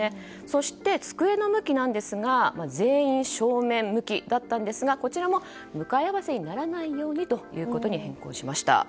そして、机の向きですが全員正面向きでしたがこちらも向かい合わせにならないようにということに変更しました。